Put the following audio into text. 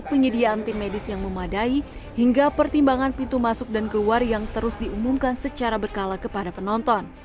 penyediaan tim medis yang memadai hingga pertimbangan pintu masuk dan keluar yang terus diumumkan secara berkala kepada penonton